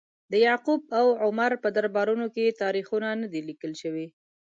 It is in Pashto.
د یعقوب او عمرو په دربارونو کې تاریخونه نه دي لیکل شوي.